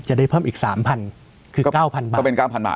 จะได้เพิ่มอีกสามพันคือเก้าพันบาทก็เป็น๙๐๐บาท